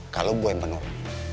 kalau boy menolak